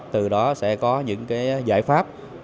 từ đó sẽ có những giải pháp